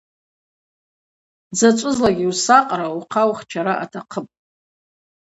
Дзачӏвызлакӏгьи усакъра, ухъа ухчара атахъыпӏ.